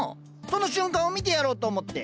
その瞬間を見てやろうと思って。